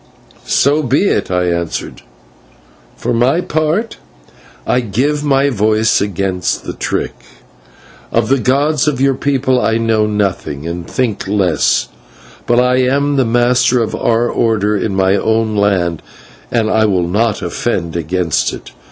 "So be it," I answered. "For my part I give my vote against the trick. Of the gods of your people I know nothing and think less, but I am the Master of our Order in my own land, and I will not offend against it.